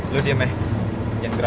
lo diem ya jangan gerak